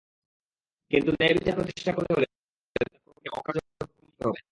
কিন্তু ন্যায়বিচার প্রতিষ্ঠা করতে হলে তাঁর প্রভাব-প্রতিপত্তিকে অকার্যকর প্রমাণ করতে হবে।